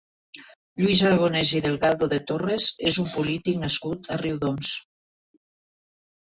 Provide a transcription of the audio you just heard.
Lluís Aragonès i Delgado de Torres és un polític nascut a Riudoms.